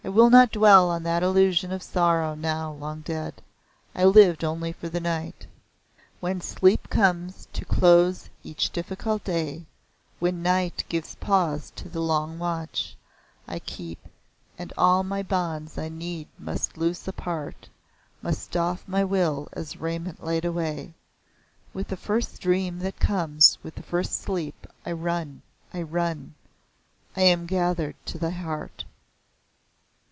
I will not dwell on that illusion of sorrow, now long dead. I lived only for the night. "When sleep comes to close each difficult day, When night gives pause to the long watch I keep, And all my bonds I needs must loose apart, Must doff my will as raiment laid away With the first dream that comes with the first sleep, I run I run! I am gathered to thy heart!"